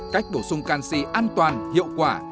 cách bổ sung canxi an toàn hiệu quả